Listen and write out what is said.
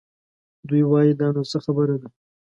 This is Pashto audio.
دوی وايي دا نو څه خبره ده؟